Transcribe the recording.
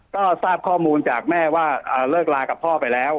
ก็ทราบข้อมูลจากแม่ว่าเลิกลากับพ่อไปแล้ว